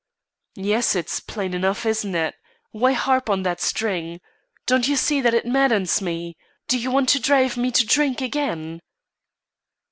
"Yes; it's plain enough, isn't it? Why harp on that string? Don't you see that it maddens me? Do you want to drive me to drink again?"